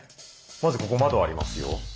まずここ窓ありますよ。